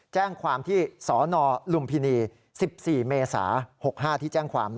แจ้งความที่สนลุมพินี๑๔เมษา๖๕ที่แจ้งความ